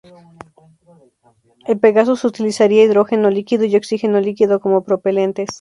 El Pegasus utilizaría hidrógeno líquido y oxígeno líquido como propelentes.